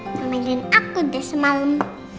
ngamilin aku udah semalam